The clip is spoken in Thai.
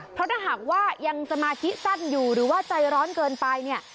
เพราะถ้าหากว่ายังสมาธิสั้นอยู่หรือว่าใจร้อนเกินไปเนี่ย